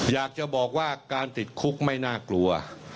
อยากจะบอกว่าการติดคุกไม่น่ากลัว